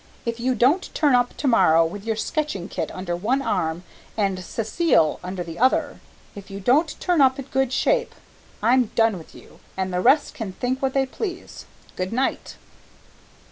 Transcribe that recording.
if you don't turn up to morrow with your sketching kit under one arm and Cécile under the other, if you don't turn up in good shape, I'm done with you, and the rest can think what they please. Good night."